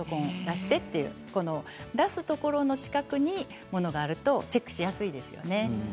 出すところの近くにものがあるとものがチェックしやすいですね。